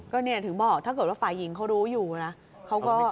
ก็เนี่ยถึงบอกถ้าเกิดว่าฝ่ายหญิงเขารู้อยู่นะเขาก็